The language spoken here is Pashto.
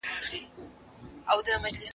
هلک د دروازې په درشل کې ولاړ و.